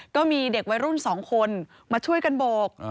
ก็มีเด็กวัยรุ่น๒คนมาช่วยกันโบก